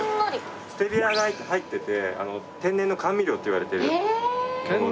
ステビアが入ってて天然の甘味料といわれているもので。